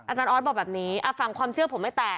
อาจารย์ออสบอกแบบนี้ฟังความเชื่อผมไม่แตะ